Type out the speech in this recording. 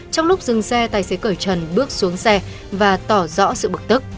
trong lúc dừng xe tài xế cởi trần bước xuống xe và tỏ rõ sự bực tức